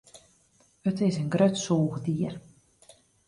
It is in grut sûchdier.